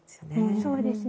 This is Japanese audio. そうですね。